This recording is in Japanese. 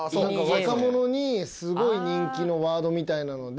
若者にすごい人気のワードみたいなので。